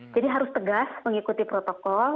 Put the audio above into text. jadi harus tegas mengikuti protokol